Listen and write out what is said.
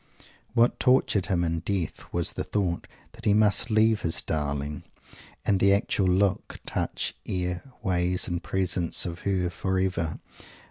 What tortured him in death was the thought that he must leave his darling and the actual look, touch, air, ways and presence of her, forever.